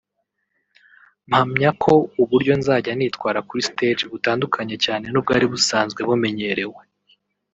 mpamya ko uburyo nzajya nitwara kuri stage butandukanye cyane n’ubwari busanzwe bumenyerewe